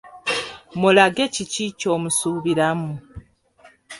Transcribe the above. Mulage kiki ky’omusuubiramu.